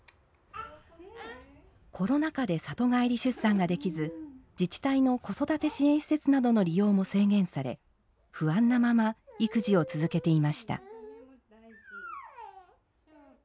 コロナ禍で里帰り出産ができず自治体の子育て支援施設などの利用も制限され不安なまま育児を続けていました。